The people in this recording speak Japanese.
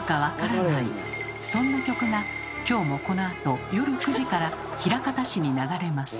そんな曲がきょうもこのあと夜９時から枚方市に流れます。